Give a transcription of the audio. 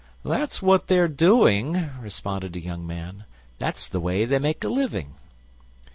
"That's what they are doing," responded a young man; "that's the way they make a living."